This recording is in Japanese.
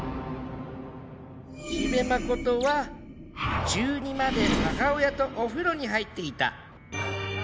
四部誠は中２まで母親とお風呂に入っていた。